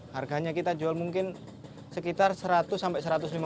harganya kita jual mungkin sekitar seratus sampai rp satu ratus lima puluh